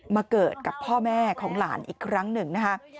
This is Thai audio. มาเกิดกับพ่อแม่ของหลานอีกครั้งหนึ่งนะคะ